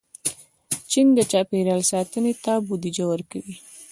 چین د چاپېریال ساتنې ته بودیجه ورکوي.